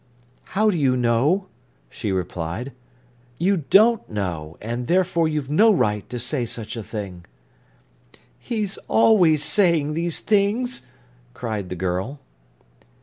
"How do you know?" she replied. "You don't know, and therefore you've no right to say such a thing." "He's always saying these things!" cried the girl.